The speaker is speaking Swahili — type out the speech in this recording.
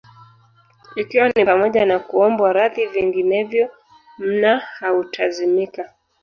Ikiwa ni pamoja na kuombwa radhi vinginevyo mma hautazimika